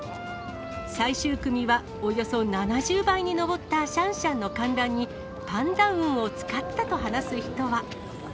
最終組はおよそ７０倍に上ったシャンシャンの観覧に、パンダ運を使ったと話す人は。